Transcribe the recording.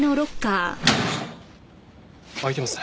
開いてますね。